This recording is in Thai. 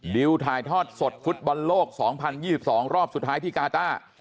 ดิวถ่ายทอดสดฟุตบอลโลก๒๐๒๒รอบสุดท้ายที่กาต้า